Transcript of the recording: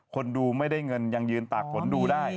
คนดูไม่ได้เงินยังยืนตากฝนดูได้